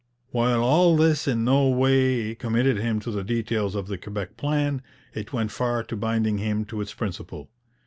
While all this in no way committed him to the details of the Quebec plan, it went far to binding him to its principle.